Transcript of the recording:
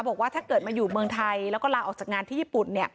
บอกว่าถ้าเกิดมาอยู่เมืองไทยแล้วก็ลาออกจากงานที่ญี่ปุ่น